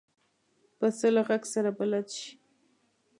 پسه له غږ سره بلد شي.